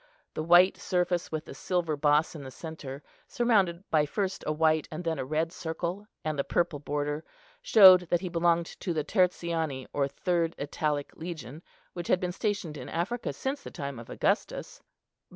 The white surface, with a silver boss in the centre, surrounded by first a white and then a red circle, and the purple border, showed that he belonged to the Tertiani or third Italic Legion, which had been stationed in Africa since the time of Augustus.